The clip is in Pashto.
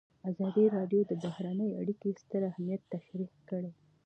ازادي راډیو د بهرنۍ اړیکې ستر اهميت تشریح کړی.